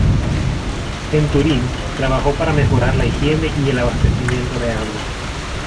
En Turín trabajó para mejorar la higiene y el abastecimiento de agua.